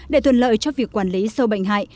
để thuận lợi cho việc quản lý sâu bệnh hại